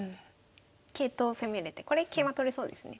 桂頭を攻めれてこれ桂馬取れそうですね。